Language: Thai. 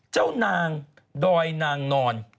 เจ้านางดอยนางนอน